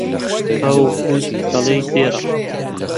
پاو و پووز، دەڵێی زێڕە